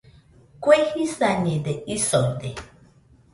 Kue jisañede isoide